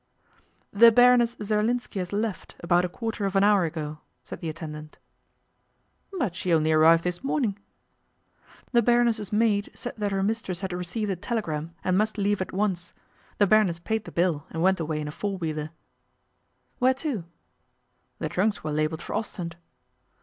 'The Baroness Zerlinski has left, about a quarter of an hour ago,' said the attendant. 'But she only arrived this morning.' 'The Baroness's maid said that her mistress had received a telegram and must leave at once. The Baroness paid the bill, and went away in a four wheeler.' 'Where to?' 'The trunks were labelled for Ostend.